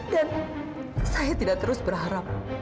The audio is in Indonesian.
dan saya tidak terus berharap